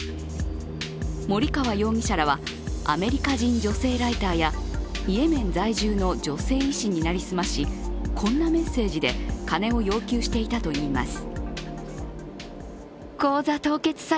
森川容疑者らはアメリカ人女性ライターやイエメン在住の女性医師に成り済まし、こんなメッセージで金を要求していたといいます。